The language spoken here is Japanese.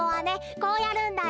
こうやるんだよ。